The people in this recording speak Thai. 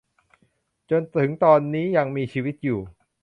จนถึงตอนนี้ยังมีชีวิตอยู่